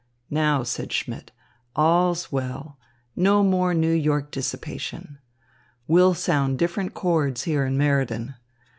"Now," said Schmidt, "all's well. No more New York dissipation. We'll sound different chords here in Meriden.